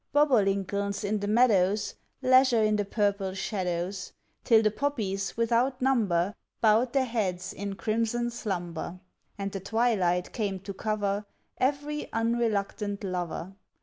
Bobolincolns in the meadows, Leisure in the purple shadows, Till the poppies without number Bowed their heads in crimson slumber, And the twilight came to cover Every unreluctant lover.